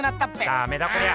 ダメだこりゃ。